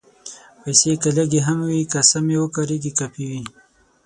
پېسې که لږې هم وي، که سمې وکارېږي، کافي وي.